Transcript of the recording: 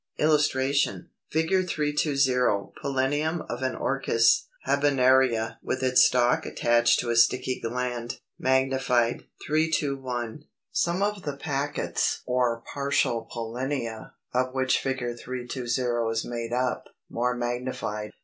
] [Illustration: Fig. 320. Pollinium of an Orchis (Habenaria), with its stalk attached to a sticky gland; magnified. 321. Some of the packets or partial pollinia, of which Fig. 320 is made up, more magnified.